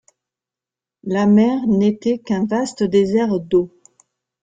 La mer n’était qu’un vaste désert d’eau.